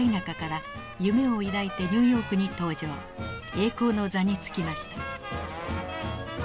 栄光の座につきました。